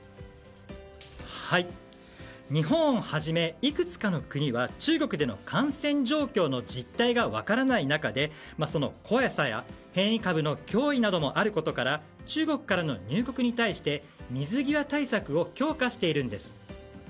日本をはじめいくつかの国は中国での感染状況の実態が分からない中でその怖さや変異株の脅威などもあることから中国からの入国に対して水際対策を強化しているんです。